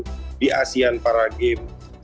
sehingga indonesia tahu persis bagaimana dinamika